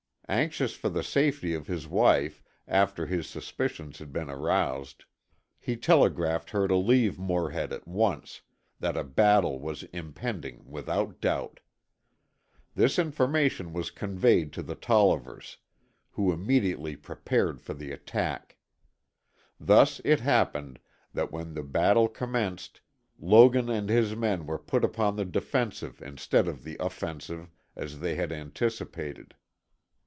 Anxious for the safety of his wife, after his suspicions had been aroused, he telegraphed her to leave Morehead at once, that a battle was impending without doubt. This information was conveyed to the Tollivers, who immediately prepared for the attack. Thus it happened that when the battle commenced, Logan and his men were put upon the defensive instead of the offensive, as they had anticipated.